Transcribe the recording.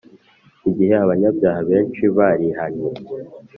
i gihe abanyabyaha benshi barihannye